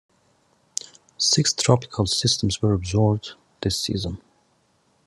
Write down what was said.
Six tropical systems were observed this season.